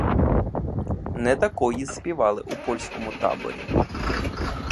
Не такої співали у польському таборі.